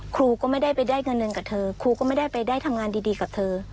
ครูก็ไม่ได้ไปได้เงินเดือนกับเธอครูก็ไม่ได้ไปได้ทำงานดีกับเธอ